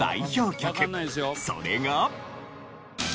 それが。